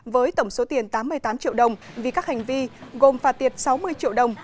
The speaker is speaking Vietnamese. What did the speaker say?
với tổng số tiền tám mươi tám triệu đồng vì các hành vi gồm phạt tiền sáu mươi triệu đồng